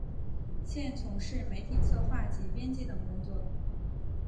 现从事媒体策划及编辑等工作。